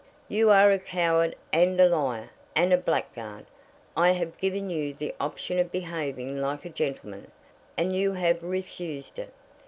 "You are a coward, and a liar, and a blackguard. I have given you the option of behaving like a gentleman, and you have refused it.